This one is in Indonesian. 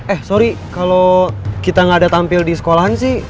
eh sorry kalau kita nggak ada tampil di sekolahan sih